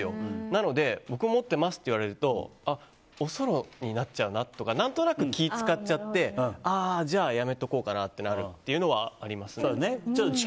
なので、僕持ってますって言われるとあ、おそろになっちゃうなとか何となく気を遣っちゃってじゃあやめとこうかなとなるのはあります。